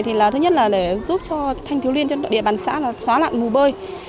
thì là thứ nhất là để giúp cho thanh thiếu liên trong địa bàn xã là xóa lặn mù bơi